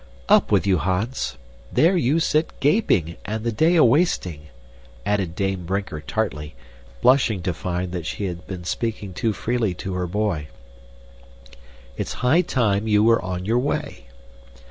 Up with you, Hans! There you sit gaping, and the day a wasting!" added Dame Brinker tartly, blushing to find that she had been speaking too freely to her boy. "It's high time you were on your way."